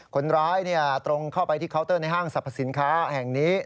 คนร้ายตรงเข้าไปที่เคาน์เตอร์ในห้างสรรพสินค้าแห่งนี้